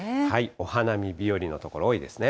お花見日和の所、多いですね。